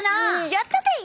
やったぜ！